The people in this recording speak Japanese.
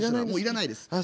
もういらないです。